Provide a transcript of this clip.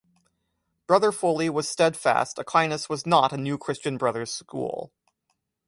Brother Foley was steadfast Aquinas was not a new Christian Brothers school.